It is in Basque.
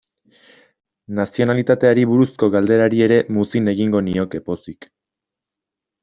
Nazionalitateari buruzko galderari ere muzin egingo nioke pozik.